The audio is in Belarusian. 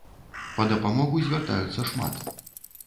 Па дапамогу звяртаюцца шмат.